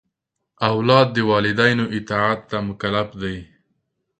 اولاد د والدینو اطاعت ته مکلف دی.